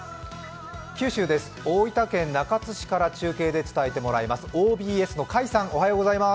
九州です、大分県中津市から中継で伝えてもらいます。